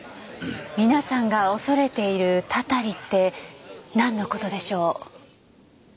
皆さんが恐れているたたりってなんの事でしょう？